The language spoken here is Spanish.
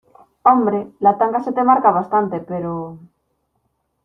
hombre, la tanga se te marca bastante , pero...